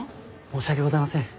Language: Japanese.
申し訳ございません。